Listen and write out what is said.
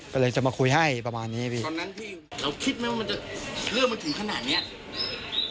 ก็เลยจะมาคุยให้ประมาณนี้พี่ตอนนั้นพี่เราคิดไหมว่ามันจะเรื่องมันถึงขนาดเนี้ย